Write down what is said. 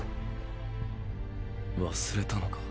忘れたのか？